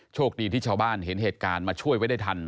โชคดีที่ชาวบ้านเห็นเหตุการณ์มาช่วยไว้ได้ทัน